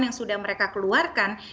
yang sudah mereka keluarkan